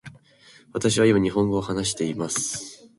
私は今日本語を話しています。